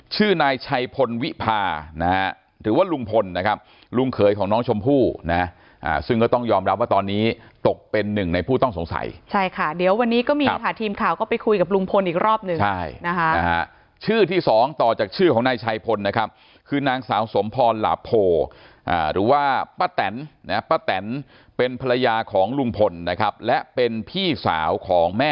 ชื่อนายชายพลวิพานะหรือว่าลุงพลนะครับรุงเคยของน้องชมพู่นะซึ่งก็ต้องยอมรับว่าตอนนี้ตกเป็นหนึ่งในผู้ต้องสงสัยใช่ค่ะเดี๋ยววันนี้ก็มีหาทีมข่าวก็ไปคุยกับลุงพลอีก